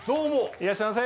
いらっしゃいませ！